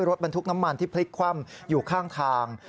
รถบรรทุกน้ำมันที่พลิกคว่ำอยู่ข้างทาง